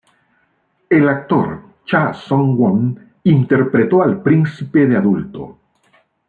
El actor Cha Seung-won interpretó al príncipe de adulto.